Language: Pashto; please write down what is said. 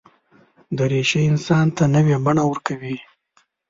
دریشي انسان ته نوې بڼه ورکوي.